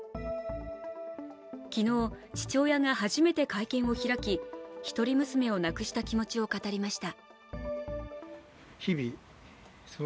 昨日、父親が初めて会見を開き一人娘を亡くした気持ちを語りました。